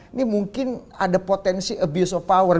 ini mungkin ada potensi abuse of power